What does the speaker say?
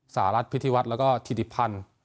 สหรัฐพิธีวัฒน์แล้วก็ธิติพันธ์